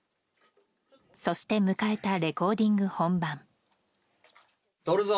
そして、迎えたレコーディング本番。